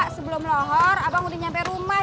sebelum lohor abang udah nyampe rumah